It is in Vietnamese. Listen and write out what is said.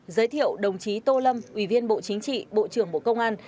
giới thiệu đồng chí tô lâm ủy viên bộ chính trị bộ trưởng bộ công an